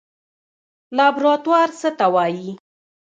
لابراتوار څه ته وایي؟